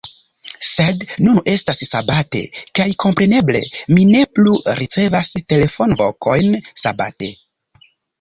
Sed nun estas Sabate, kaj kompreneble mi ne plu ricevas telefonvokojn Sabate.